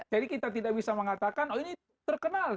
jadi kita tidak bisa mengatakan oh ini terkenal